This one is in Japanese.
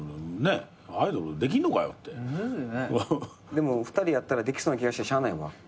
でも２人やったらできそうな気がしてしゃあないわ。